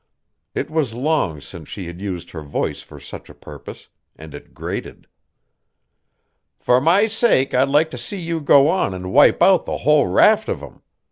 It was long since she had used her voice for such a purpose and it grated. "For my sake I'd like to see you go on and wipe out the whole raft of 'em.